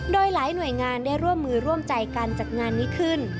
โดยหลายหน่วยงานได้ร่วมมือร่วมใจการจัดงานนี้ขึ้น